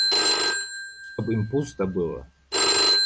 Чтоб им пусто было!